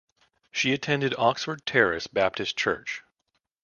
She attended Oxford Terrace Baptist Church.